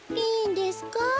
いいんですか？